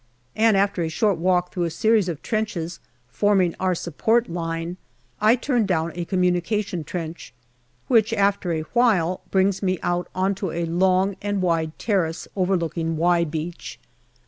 And after a short walk through a series of trenches forming our support line, I turn down a communication trench, which after a while brings me out on to a long and wide terrace overlooking " Y " Beach.